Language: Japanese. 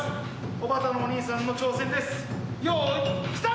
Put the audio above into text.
おばたのお兄さんの挑戦ですよいスタート！